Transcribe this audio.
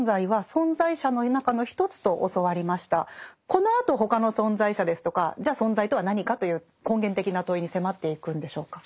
このあと他の存在者ですとかじゃあ存在とは何かという根源的な問いに迫っていくんでしょうか？